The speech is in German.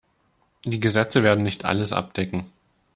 Die Gesetze werden nicht alles abdecken.